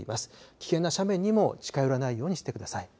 危険な斜面には近寄らないようにしてください。